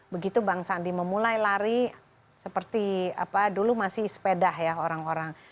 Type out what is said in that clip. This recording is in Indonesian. begitu bang sandi memulai lari seperti dulu masih sepeda ya orang orang